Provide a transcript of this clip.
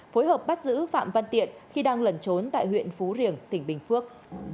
phối hợp bắt giữ phạm văn tiện khi đang lẩn trốn tại huyện phú riềng tỉnh bình phước